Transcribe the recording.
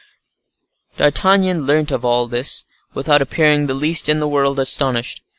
D'Artagnan learnt all this without appearing the least in the world astonished.